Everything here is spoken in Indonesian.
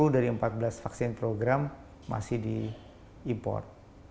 sepuluh dari empat belas vaksin program masih diimpor